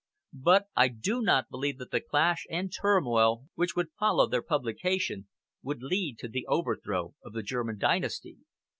But I do not believe that the clash and turmoil which would follow their publication would lead to the overthrow of the German dynasty.